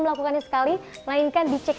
melakukannya sekali melainkan dicek